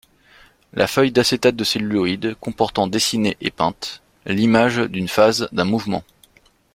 La feuille d’acétate de celluloïd comportant dessinée et peinte, l’image d’une phase d’un mouvement.